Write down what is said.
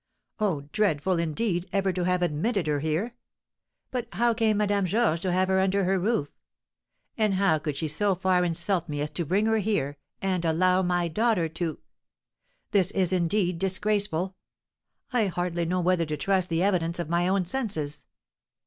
Oh, dreadful, indeed, ever to have admitted her here! But how came Madame Georges to have her under her roof? And how could she so far insult me as to bring her here, and allow my daughter to This is, indeed, disgraceful! I hardly know whether to trust the evidence of my own senses.